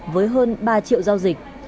với hơn ba triệu giao dịch